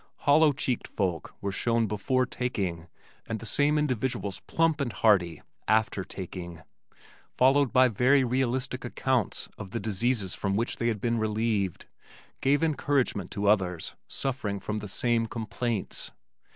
Hollow cheeked folk were shown "before taking," and the same individuals plump and hearty "after taking," followed by very realistic accounts of the diseases from which they had been relieved gave encouragement to others suffering from the same "complaints."